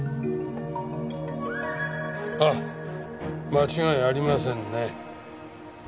ああ間違いありませんね。